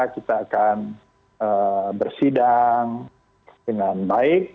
kita akan bersidang dengan baik